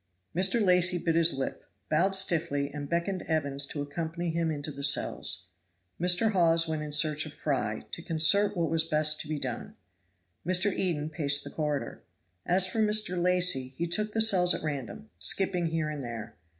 Mr. Lacy bit his lip, bowed stiffly, and beckoned Evans to accompany him into the cells. Mr. Hawes went in search of Fry, to concert what was best to be done. Mr. Eden paced the corridor. As for Mr. Lacy, he took the cells at random, skipping here and there.